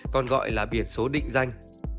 còn gọi là biển số định danh